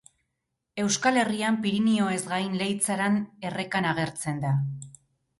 Euskal Herrian Pirinioez gain Leitzaran errekan agertzen da.